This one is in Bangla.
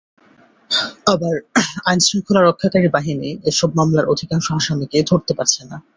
আবার আইনশৃঙ্খলা রক্ষাকারী বাহিনী এসব মামলার অধিকাংশ আসামিকে ধরতে পারছে না।